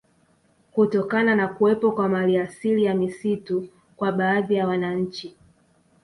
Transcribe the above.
Kutokana na kuwepo kwa maliasili ya misitu kwa baadhi ya wananchi